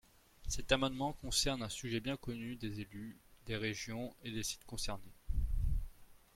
Cet amendement concerne un sujet bien connu des élus des régions et des sites concernés.